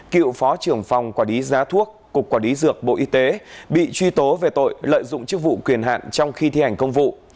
cựu phó trưởng phòng quản lý giá thuốc cục quản lý dược bộ y tế bị truy tố về tội lợi dụng chức vụ quyền hạn trong khi thi hành công vụ